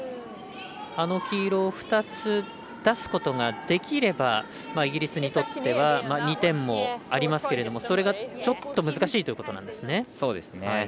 あの黄色を２つ出すことができればイギリスにとっては２点もありますけれどもそれがちょっと難しいということなんですね。